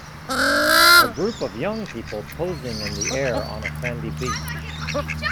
A group of young people posing in the air on a sandy beach.